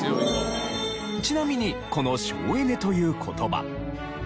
ちなみにこの省エネという言葉。